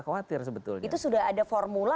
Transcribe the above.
khawatir sebetulnya itu sudah ada formula